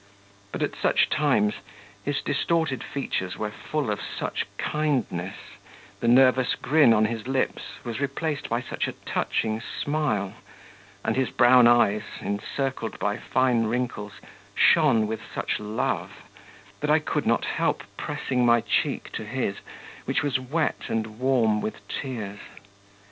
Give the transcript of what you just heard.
But at such times his distorted features were full of such kindness, the nervous grin on his lips was replaced by such a touching smile, and his brown eyes, encircled by fine wrinkles, shone with such love, that I could not help pressing my cheek to his, which was wet and warm with tears.